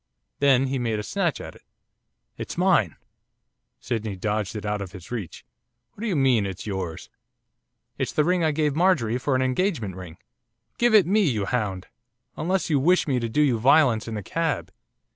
Then he made a snatch at it. 'It's mine!' Sydney dodged it out of his reach. 'What do you mean, it's yours?' 'It's the ring I gave Marjorie for an engagement ring. Give it me, you hound! unless you wish me to do you violence in the cab.